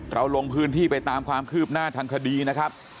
ลงพื้นที่ไปตามความคืบหน้าทางคดีนะครับ